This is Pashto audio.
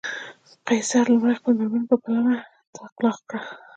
قیصر خپله لومړۍ مېرمن په پلمه طلاق کړه